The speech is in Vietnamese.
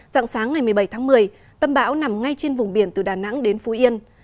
dạng sáng ngày một mươi bảy tháng một mươi tâm bão nằm ngay trên vùng biển từ đà nẵng đến phú yên